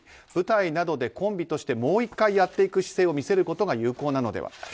舞台などでコンビとしてもう１回やっていく姿勢を見せることが有効なのでは。